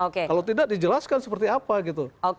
kalau tidak dijelaskan seperti apa gitu